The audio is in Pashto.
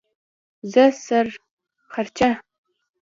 زه سر چرخه